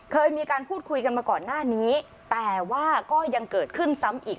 เคยมีการพูดคุยกันมาก่อนหน้านี้แต่ว่าก็ยังเกิดขึ้นซ้ำอีก